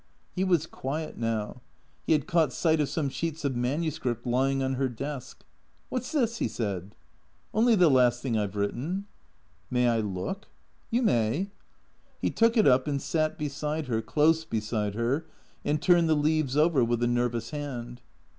He was quiet now. He had caught sight of some sheets of manuscript lying on her desk. "What's this?" he said. " Only the last thing I 've written." " May I look ?"" You may." He took it up and sat beside her, close beside her, and turned the leaves over with a nervous hand.